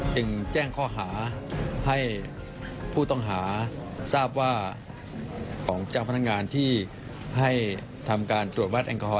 จึงแจ้งข้อหาให้ผู้ต้องหาทราบว่าของเจ้าพนักงานที่ให้ทำการตรวจวัดแอลกอฮอล